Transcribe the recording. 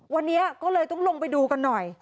วันนี้ก็เลยต้องลงไปดูกันหน่อย